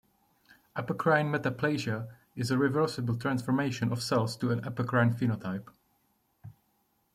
Apocrine metaplasia is a reversible transformation of cells to an apocrine phenotype.